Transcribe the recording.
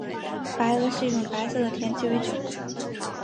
白俄是一种白色的甜鸡尾酒。